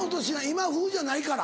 今風じゃないから？